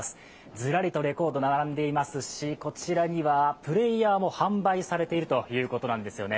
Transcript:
ズラリとレコード並んでいますしこちらにはプレーヤーも販売されているということなんですよね。